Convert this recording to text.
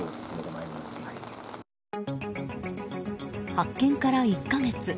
発見から１か月。